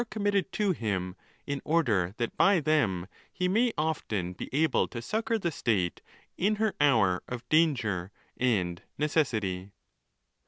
A481 committed to him, in order that by them he may often be able to succour the state in her hour of danger and necessity.